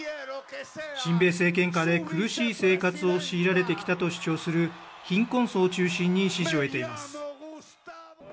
親米政権下で苦しい生活を強いられてきたと主張する貧困層を中心に支持を得ています。